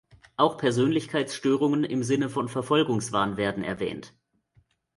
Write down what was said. Auch Persönlichkeitsstörungen im Sinne von Verfolgungswahn werden erwähnt.